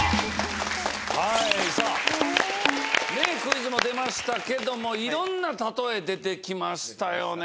ねクイズも出ましたけども色んなたとえ出てきましたよね。